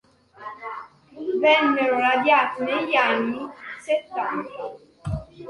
Vennero radiati negli anni settanta.